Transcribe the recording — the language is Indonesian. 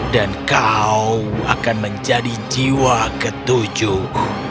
dan kau akan menjadi jiwa ketujuh